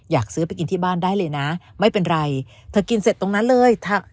อยากซื้อไปกินที่บ้านได้เลยนะไม่เป็นไรเธอกินเสร็จตรงนั้นเลย